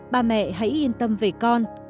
ba mẹ hãy yên tâm về con